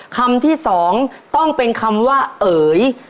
คำที่สองต้องเป็นคำว่าเอ๋ย